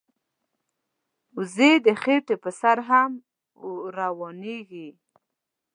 وزې د خټې پر سر هم روانېږي